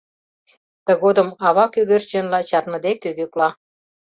Тыгодым ава кӧгӧрченла чарныде кӧгӧкла: